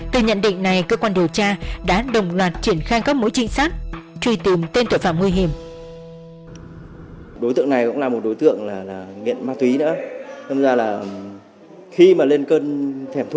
từ nhận định này cơ quan điều tra đã đồng loạt triển khai các mối trinh sát truy tìm tên tội phạm nguy hiểm